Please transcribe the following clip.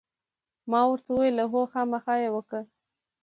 ما ورته وویل: هو، خامخا یې وکړه.